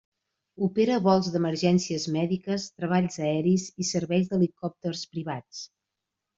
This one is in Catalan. Opera vols d'emergències mèdiques, treballs aeris i serveis d'helicòpters privats.